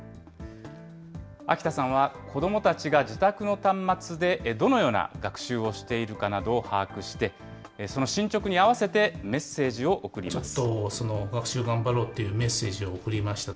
秋田さんは子どもたちが自宅の端末で、どのような学習をしているかなどを把握して、その進捗に合わせて、メッセージを送ります。